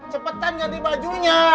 cepetan ganti bajunya